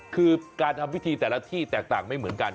คือการทำพิธีแต่ละที่แตกต่างไม่เหมือนกัน